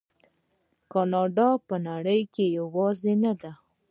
کاناډا په نړۍ کې یوازې نه ده.